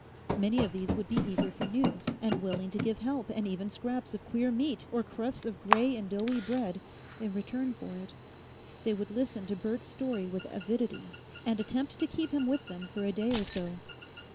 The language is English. Many of these would be eager for news, and willing to give help and even scraps of queer meat, or crusts of grey and doughy bread, in return for it. They would listen to Bert's story with avidity, and attempt to keep him with them for a day or so.